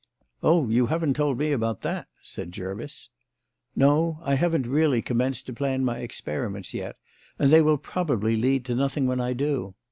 "Oh; you haven't told me about that," said Jervis. "No: I haven't really commenced to plan my experiments yet, and they will probably lead to nothing when I do.